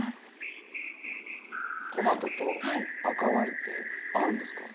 トマトと赤ワインって合うんですか？